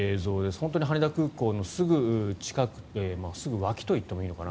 本当に羽田空港のすぐ近くすぐ脇といってもいいのかな